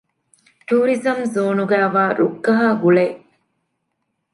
ޓޫރިޒަމް ޒޯނުގައިވާ ރުއްގަހާ ގުޅޭ